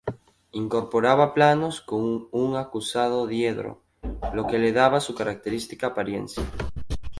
Incorporaba planos con un acusado diedro, lo que le daba su característica apariencia.